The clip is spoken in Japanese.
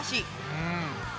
うん。